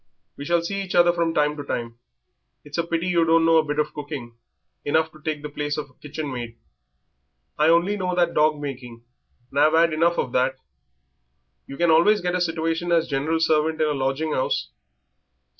We shall see each other from time to time. It's a pity you don't know a bit of cooking, enough to take the place of kitchen maid." "I only know that dog making, and I've 'ad enough of that." "You can always get a situation as general servant in a lodging 'ouse."